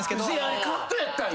あれカットやったんや。